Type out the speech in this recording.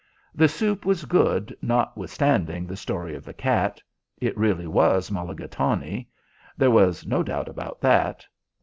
The soup was good notwithstanding the story of the cat. It really was mulligatawny. There was no doubt about that.